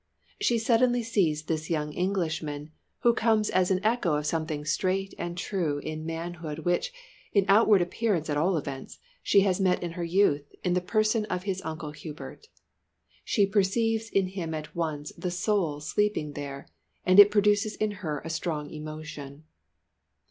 She suddenly sees this young Englishman, who comes as an echo of something straight and true in manhood which, in outward appearance at all events, she has met in her youth in the person of his Uncle Hubert. She perceives in him at once the Soul sleeping there; and it produces in her a strong emotion.